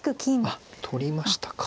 あっ取りましたか。